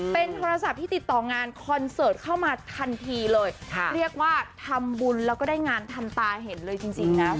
เป็นโทรศัพท์ที่ติดต่องานคอนเสิร์ตเข้ามาทันทีเลยค่ะเรียกว่าทำบุญแล้วก็ได้งานทันตาเห็นเลยจริงนะ